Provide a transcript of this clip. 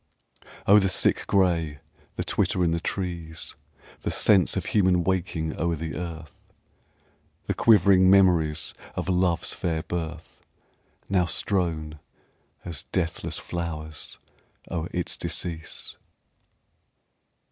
Oh, the sick gray, the twitter in the trees, The sense of human waking o'er the earth! The quivering memories of love's fair birth Now strown as deathless flowers o'er its decease!